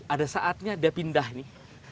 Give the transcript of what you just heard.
ada saatnya dia pindah nih